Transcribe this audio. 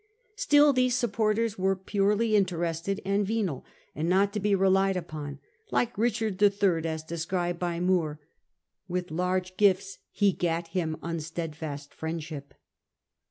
Still these supporters were purely interested and venal, and not to be relied upon; like Richard ITT., as described by More, With large gifts he gat him unsteadfast friendship."